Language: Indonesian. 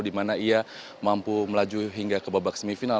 di mana ia mampu melaju hingga ke babak semifinal